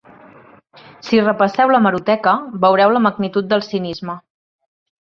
Si repasseu l’hemeroteca, veureu la magnitud del cinisme.